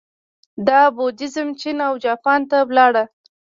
دا بودیزم چین او جاپان ته لاړ